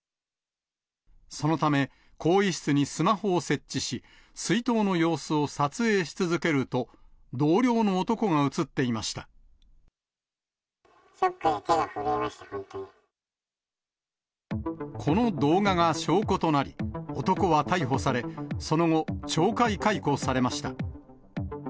そのため、更衣室にスマホを設置し、水筒の様子を撮影し続けると、ショックで手が震えました、この動画が証拠となり、男は逮捕され、その後、懲戒解雇されました。